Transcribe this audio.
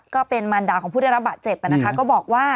ก็เป็นมารดาของผู้ได้รับบาดเจ็บนะนะคะก็บอกว่า